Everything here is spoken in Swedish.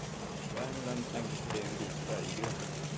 Värmland slängde till det en bit berggrund.